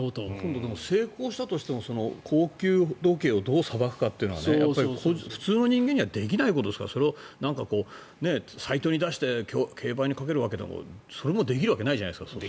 成功したとしても高級時計をどうさばくかっていうのは普通の人間にはできないことですからそれをサイトに出して競売にかけるわけでもそれもできるわけないじゃないですか。